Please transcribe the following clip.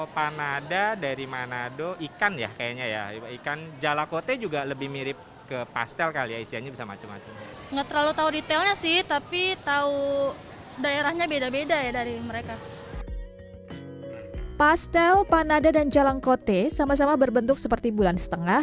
pastel panada dan jalan kote sama sama berbentuk seperti bulan setengah